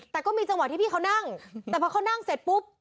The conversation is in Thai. แต่ก็มีจังหวะที่พี่เขานั่งแต่พอเขานั่งเสร็จปุ๊บ